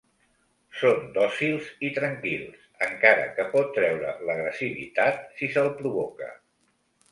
Són dòcils i tranquils, encara que pot treure l'agressivitat si se'l provoca.